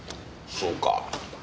そうか。